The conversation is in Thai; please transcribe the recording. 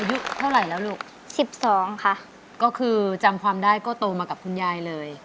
อายุเท่าไหร่แล้วลูกสิบสองค่ะก็คือจำความได้ก็โตมากับคุณยายเลย